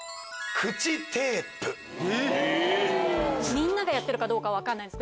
みんながやってるかどうか分からないです